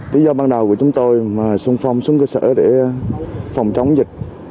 lý do ban đầu của chúng tôi xung phong xuống cơ sở để phòng chống dịch